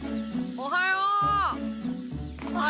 おはよう。